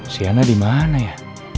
sianah dimana ya